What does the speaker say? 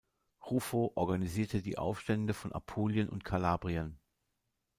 Ruffo organisierte die Aufstände von Apulien und Kalabrien.